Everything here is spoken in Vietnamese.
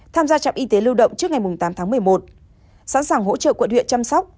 tham gia trạm y tế lưu động trước ngày tám tháng một mươi một sẵn sàng hỗ trợ quận huyện chăm sóc